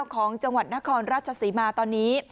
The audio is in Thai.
ของจังหวัดนครราชศรีมาตอนนี้